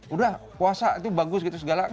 udah puasa itu bagus gitu segala